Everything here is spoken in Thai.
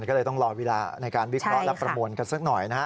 ต่อไปมันก็เลยต้องรอเวลาในการวิเคราะห์และประโมนกันะหน่อย